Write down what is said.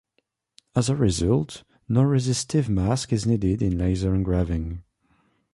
As a result, no resistive mask is needed in laser engraving.